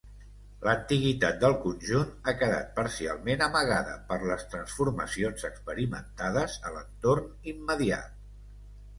L'antiguitat del conjunt ha quedat parcialment amagada per les transformacions experimentades a l'entorn immediat.